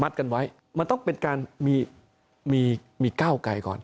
กันไว้มันต้องเป็นการมีก้าวไกลก่อน